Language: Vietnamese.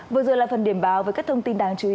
vừa rồi là phần điểm báo với các thông tin đáng chú ý